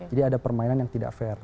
jadi ada permainan yang tidak fair